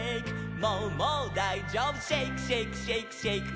「もうもうだいじょうぶシェイクシェイクシェイクシェイク」